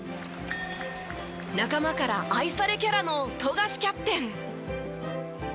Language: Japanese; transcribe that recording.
仲間から愛されキャラの富樫キャプテン。